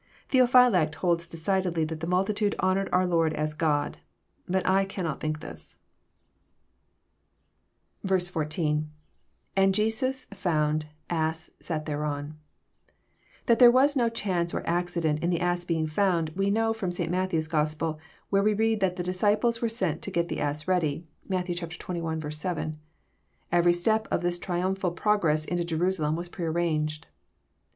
Theophylact holds decidedly that the multitude honoured ouf Lord as God. But I cannot think it. JOHN, CHAP. XII. 327 14. — lAnd j€8ti8„.found„.<i88, sat thereon,'} That tbero was do chance or accident in the ass being found, we know from St. Matthew's Gospel, where we read that the disciples were sent to get the ass ready. (Matt. xxi. 7.) Every step of this tri umphal progress into Jerusalem was prearranged.